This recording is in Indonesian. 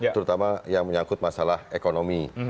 terutama yang menyangkut masalah ekonomi